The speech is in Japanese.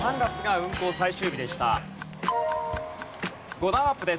５段アップです。